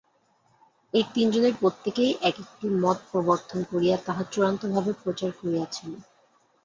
এই তিন জনের প্রত্যকেই এক একটি মত প্রবর্তন করিয়া তাহা চূড়ান্তভাবে প্রচার করিয়াছেন।